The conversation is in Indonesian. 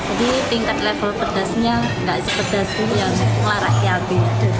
jadi tingkat level pedasnya gak sepedas mie yang ngelara akeati